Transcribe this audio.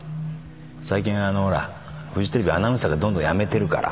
最近フジテレビアナウンサーがどんどん辞めてるから